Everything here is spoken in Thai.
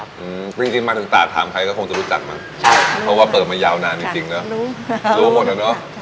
อืมจริงจริงมาถึงตาดถามใครก็คงจะรู้จักมั้งใช่เพราะว่าเปิดมายาวนานจริงจริงเนอะรู้หมดอ่ะเนอะ